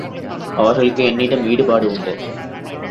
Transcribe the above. அவர்களுக்கு என்னிடம் ஈடுபாடு உண்டு.